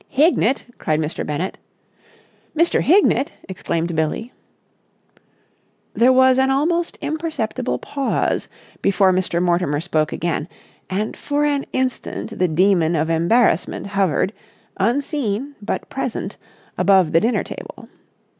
"Hignett!" cried Mr. Bennett. "Mr. Hignett!" exclaimed Billie. There was an almost imperceptible pause before Mr. Mortimer spoke again, and for an instant the demon of embarrassment hovered, unseen but present, above the dinner table.